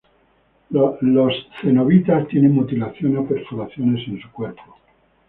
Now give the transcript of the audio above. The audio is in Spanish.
Los cenobitas tienen mutilaciones o perforaciones en su cuerpo.